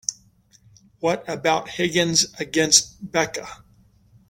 What about Higgins against Becca?